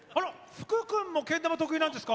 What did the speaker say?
福君もけん玉得意なんですか？